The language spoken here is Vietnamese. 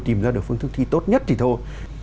tìm ra được phương thức thi tốt nhất gì thôi